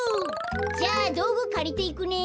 じゃあどうぐかりていくね。